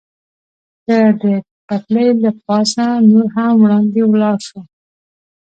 که د پټلۍ له پاسه نور هم وړاندې ولاړ شو.